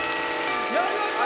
鳴りました！